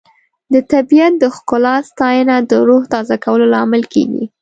د طبیعت د ښکلا ستاینه د روح تازه کولو لامل کیږي.